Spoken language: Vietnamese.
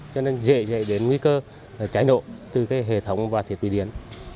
cho nên dễ dậy đến nguy cơ cháy nộ từ hệ thống và thiết bị điền